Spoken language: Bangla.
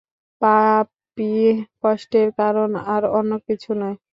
পাপই কষ্টের কারণ, আর অন্য কিছু নয়।